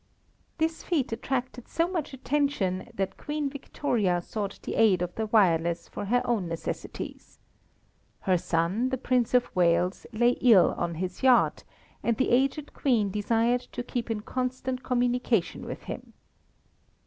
This feat attracted so much attention that Queen Victoria sought the aid of the wireless for her own necessities. Her son, the Prince of Wales, lay ill on his yacht, and the aged queen desired to keep in constant communication with him.